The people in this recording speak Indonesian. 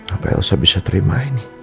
apa elsa bisa terima ini